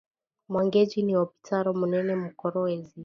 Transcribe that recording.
Mwangeji ni opitalo munene mu kolwezi